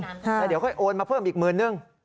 แล้วเดี๋ยวค่อยโอนมาเพิ่มอีกหมื่นนึง